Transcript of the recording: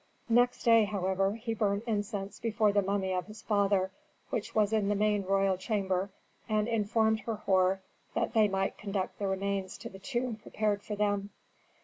Next day, however, he burnt incense before the mummy of his father, which was in the main royal chamber, and informed Herhor that they might conduct the remains to the tomb prepared for them.